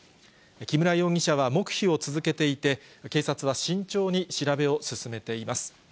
木村容疑者は黙秘を続けていて、警察は慎重に調べを進めています。